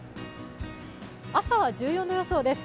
朝は１４度予想です。